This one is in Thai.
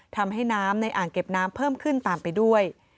ทำให้น้ำในอ่างเก็บน้ำเพิ่มขึ้นตามไปด้วย